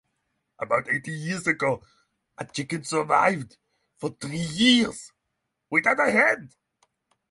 About eighty years ago, a chicken survived for three years without a head!